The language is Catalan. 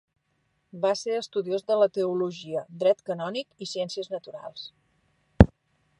Va ser estudiós de la teologia, dret canònic i ciències naturals.